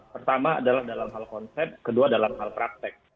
pertama adalah dalam hal konsep kedua dalam hal praktek